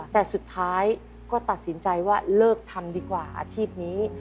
แต่สุดท้ายก็ตัดสินใจว่าเลิกทำดีกว่าอาชีพนี้